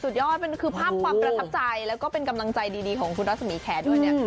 ยอดมันคือภาพความประทับใจแล้วก็เป็นกำลังใจดีของคุณรัศมีแคร์ด้วยเนี่ย